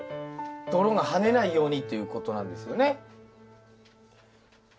泥がはねないようにっていうことなんですよね。